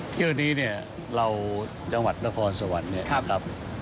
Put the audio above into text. เท่านี้เนี่ยเราจังหวัดนครสวรรค์ครับ